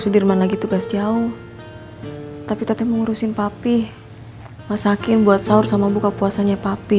sudirman lagi tugas jauh tapi tetap mengurusin papi masakin buat sahur sama buka puasanya papi